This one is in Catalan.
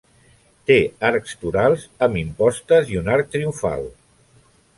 Té arcs torals amb impostes i un arc triomfal.